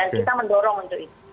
dan kita mendorong untuk itu